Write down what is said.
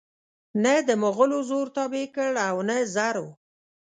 نه دمغلو زور تابع کړ او نه زرو